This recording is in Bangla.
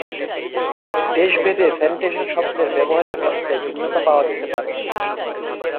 দেশ ভেদে স্যানিটেশন শব্দের ব্যবহারিক অর্থে ভিন্নতা পাওয়া যেতে পারে।